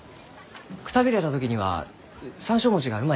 くたびれた時には山椒餅がうまいじゃろ。